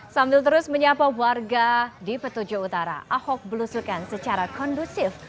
sambil terus menyapa warga di petujuh utara ahok belusukan secara kondusif